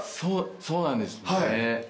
そうなんですね。